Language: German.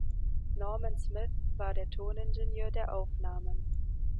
Norman Smith war der Toningenieur der Aufnahmen.